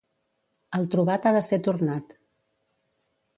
El trobat ha de ser tornat.